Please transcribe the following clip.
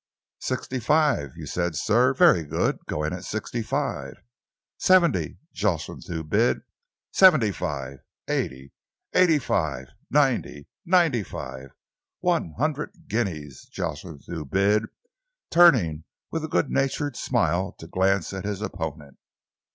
"Sixty five you said, sir. Very good. Going at sixty five." "Seventy," Jocelyn Thew bid. "Seventy five." "Eighty." "Eighty five." "Ninety." "Ninety five." "One hundred guineas," Jocelyn Thew bid, turning with a good natured smile to glance at his opponent.